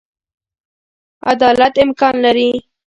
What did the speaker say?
عدالت امکان لري.